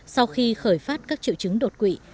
sau khi khởi phát các triệu chứng đột quỵ